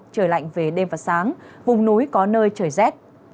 trời lạnh về đêm và sáng vùng núi có nơi trời rét